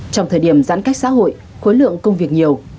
trong thời điểm giãn cách xã hội khối lượng công việc nhiều